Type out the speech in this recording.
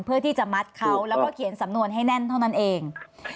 เพื่อที่จะมัดเขาแล้วก็เขียนสำนวนให้แน่นเท่านั้นเอง